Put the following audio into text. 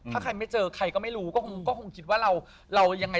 ถ้าใครไม่เจอใครก็ไม่รู้ก็คงคิดว่าเรายังไง